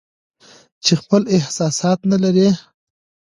چې خپل احساسات نه لري